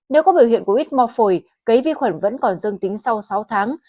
nếu có biểu hiện của ít mò phổi cấy vi khuẩn vẫn còn dương tính sau sáu tháng